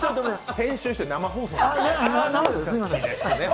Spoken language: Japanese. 編集って、生放送です。